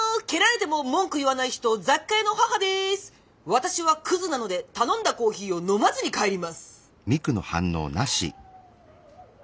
私はクズなので頼んだコーヒーを飲まずに帰ります」。